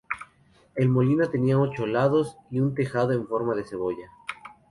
El molino tenía ocho lados y un tejado en forma de cebolla.